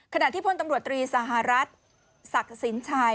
ขณะที่พลตำรวจตรีสหรัฐศักดิ์สินชัย